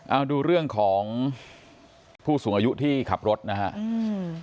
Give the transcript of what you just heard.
เอาดูเรื่องของผู้สูงอายุที่ขับรถนะฮะอืม